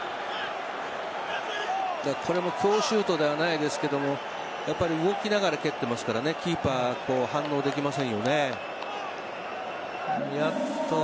これも好シュートではないですけどやっぱり動きながら蹴ってますからねキーパー反応できませんですよね。